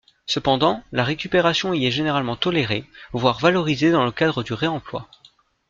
Cependant, la récupération y est généralement tolérée, voire valorisée dans le cadre du réemploi.